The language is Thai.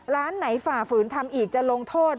ร้านไหนฝ่าฝืนทำอีกจะลงโทษ